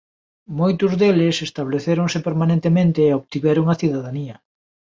Moitos deles establecéronse permanentemente e obtiveron a cidadanía.